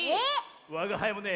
わがはいもね